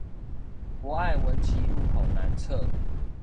博愛文奇路口南側